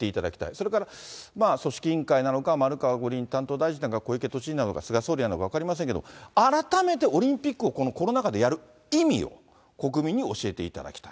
それから、組織委員会なのか、丸川五輪担当大臣なのか、小池都知事なのか、菅総理なのか分かりませんけど、改めてこのオリンピックをコロナ禍でやる意味を、国民に教えていただきたい。